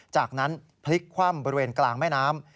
จากนั้นพลิกคว่ำบริเวณกลางแม่น้ำ